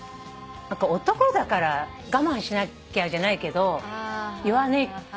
何か男だから我慢しなきゃじゃないけど弱音。